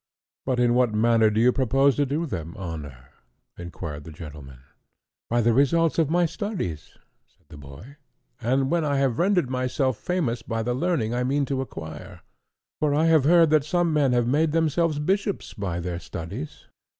"But in what manner do you propose to do them honour?" inquired the gentlemen. "By the results of my studies," said the boy, "and when I have rendered myself famous by the learning I mean to acquire; for I have heard that some men have made themselves bishops by their studies."